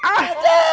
aduh tis dah